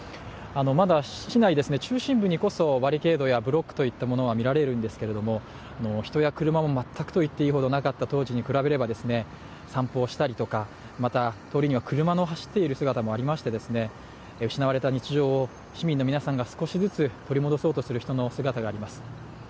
まだ市内、中心部にこそバリケードやブロックといったものはみられるんですけれども、人や車も全くなかった当時と比べると散歩をしたり、また通りには車の走っている姿もありまして失われた日常を市民の皆さんが少しずつ取り戻そうとする人の姿があります。